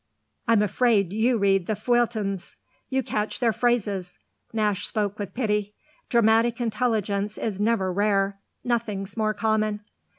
"I'm afraid you read the feuilletons. You catch their phrases" Nash spoke with pity. "Dramatic intelligence is never rare; nothing's more common."